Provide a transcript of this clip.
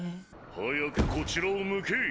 早くこちらを向け！